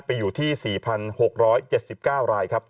ไปอยู่ที่๔๖๗๙รายครับ